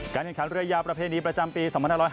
แข่งขันเรือยาวประเพณีประจำปี๒๕๕๙